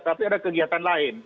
tapi ada kegiatan lain